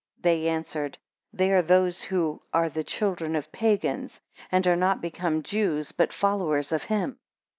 They answered, They are those who are the children of Pagans, and are not become Jews, but followers of him.